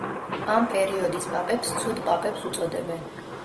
ამ პერიოდის პაპებს „ცუდ პაპებს“ უწოდებენ.